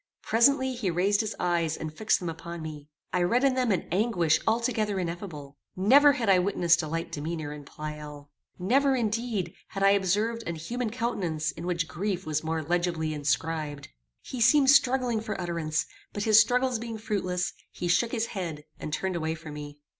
Presently he raised his eyes and fixed them upon me. I read in them an anguish altogether ineffable. Never had I witnessed a like demeanour in Pleyel. Never, indeed, had I observed an human countenance in which grief was more legibly inscribed. He seemed struggling for utterance; but his struggles being fruitless, he shook his head and turned away from me.